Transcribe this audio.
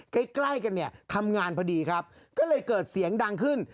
ใกล้ใกล้กันเนี่ยทำงานพอดีครับก็เลยเกิดเสียงดังขึ้น